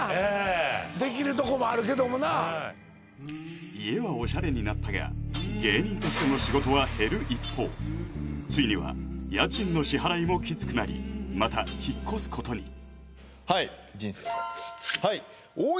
できるとこもあるけどもな家はオシャレになったが芸人としての仕事は減る一方ついには家賃の支払いもキツくなりまた引っ越すことにはい「人生を変えた」